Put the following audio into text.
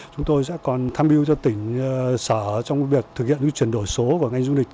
chúng tôi sẽ còn tham mưu cho tỉnh sở trong việc thực hiện chuyển đổi số và ngành du lịch